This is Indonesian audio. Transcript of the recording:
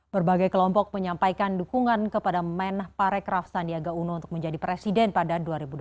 berbagai kelompok menyampaikan dukungan kepada men parekraf sandiaga uno untuk menjadi presiden pada dua ribu dua puluh